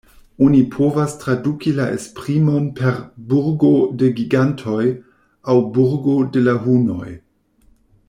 Oni povas traduki la esprimon per "burgo de gigantoj" aŭ "burgo de la hunoj".